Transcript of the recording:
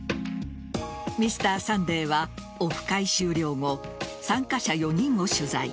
「Ｍｒ．サンデー」はオフ会終了後、参加者４人を取材。